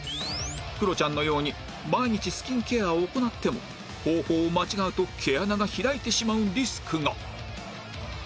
クロちゃんのように毎日スキンケアを行っても方法を間違うと毛穴が開いてしまうリスクが